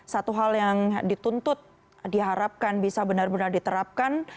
satu hal yang dituntut diharapkan bisa benar benar diterapkan